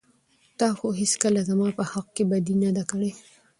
تا خو هېڅکله زما په حق کې بدي نه ده کړى.